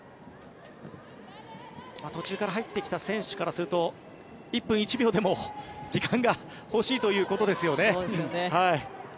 途中から入ってきた選手からすると１分１秒でも時間が欲しいということですよね。